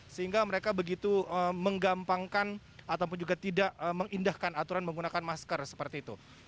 sehingga mereka begitu menggampangkan ataupun juga tidak mengindahkan aturan menggunakan masker seperti itu